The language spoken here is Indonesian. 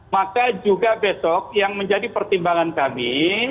maka juga besok yang menjadi pertimbangan kami